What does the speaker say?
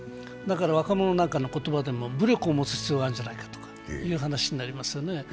若者なんかの言葉でも、武力を持つ必要があるんじゃないかという話になりますよね。